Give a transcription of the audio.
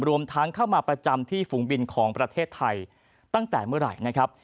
รวมทั้งเข้ามาประจำที่ฝูงบินของประเทศไทยตั้งแต่เมื่อไหร่นะครับ